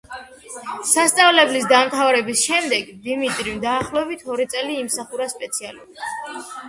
სასწავლებლის დამთავრების შემდეგ დიმიტრიმ დაახლოებით ორი წელი იმსახურა სპეციალობით.